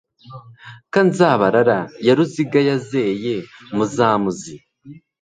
Ka Nzabarara ya Ruziga, Yazeye Muzamuzi.